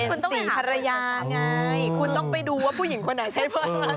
เป็นสีภรรยาไงคุณต้องไปดูว่าผู้หญิงคนไหนใช้เบอร์แบบนี้